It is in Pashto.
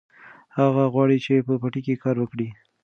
هغه غواړي چې په پټي کې کار وکړي.